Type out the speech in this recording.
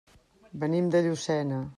Venim de Llucena.